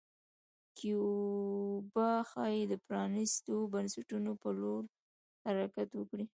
کیوبا ښايي د پرانیستو بنسټونو په لور حرکت وکړي.